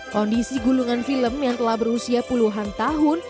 kondisi gulungan film yang telah berusia puluhan tahun